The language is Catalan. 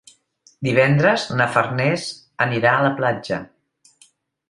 Divendres na Farners anirà a la platja.